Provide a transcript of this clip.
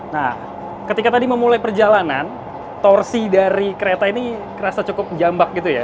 nah ketika tadi memulai perjalanan torsi dari kereta ini kerasa cukup jambak gitu ya